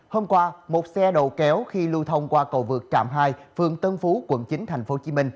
hôm qua một xe đầu kéo khi lưu thông qua cầu vượt trạm hai phường tân phú quận chín tp hcm